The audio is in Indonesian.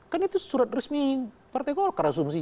kan itu surat resmi partai golkar asumsi